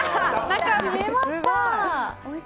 中、見えました！